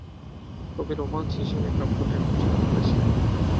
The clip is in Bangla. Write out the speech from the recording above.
কবি রোমান্স হিসেবেই কাব্যটি রচনা করেছিলেন।